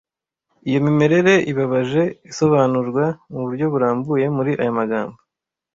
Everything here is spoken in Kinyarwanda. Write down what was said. Iyo mimerere ibabaje isobanurwa mu buryo burambuye muri aya magambo